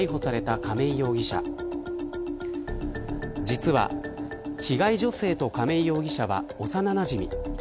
実は、被害女性と亀井容疑者は幼なじみ。